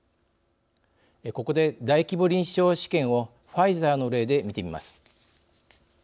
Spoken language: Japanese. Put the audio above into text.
ここで大規模臨床試験をファイザーの例で見てみます。